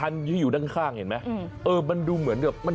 อันนี้ดูอย่างละเอียดจริงเลยนะใคร